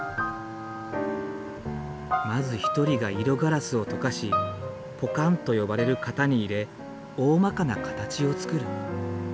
まず１人が色ガラスを溶かしポカンと呼ばれる型に入れおおまかな形を作る。